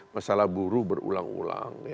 masalah buru berulang ulang